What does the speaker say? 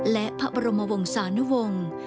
และพระบรมวงศานุวงศ์